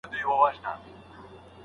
هغه د دولت د سقوط پنځه مهمې مرحلې بیانوي.